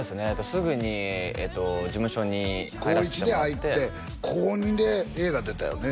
すぐに事務所に入らせてもらって高１で入って高２で映画出たよね？